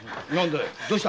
どうした？